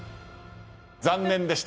残念でした。